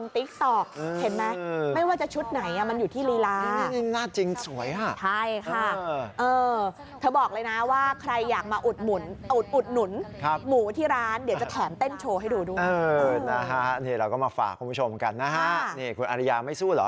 เต้นโชว์ให้ดูดูนะครับอืมนะฮะนี่เราก็มาฝากคุณผู้ชมกันนะฮะนี่คุณอริยาไม่สู้เหรอ